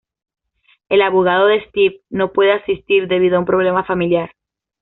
El abogado de Steve no puede asistir debido a un problema familiar.